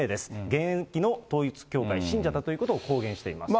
現役の統一教会信者だということを公言しています。